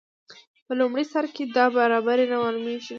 په لومړي سر کې دا برابري نه معلومیږي.